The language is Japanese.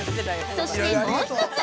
◆そしてもう一つ。